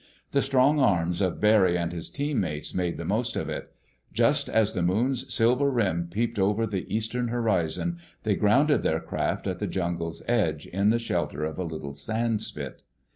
The strong arms of Barry and his teammates made the most of it. Just as the moon's silver rim peeped over the eastern horizon, they grounded their craft at the jungle's edge, in the shelter of a little sandspit.